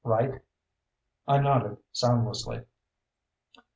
Right?" I nodded soundlessly.